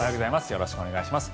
よろしくお願いします。